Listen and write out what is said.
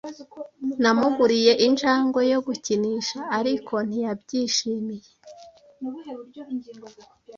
Namuguriye injangwe yo gukinisha, ariko ntiyabyishimiye.